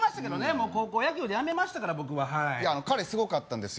もう高校野球でやめましたから僕ははいいや彼すごかったんですよ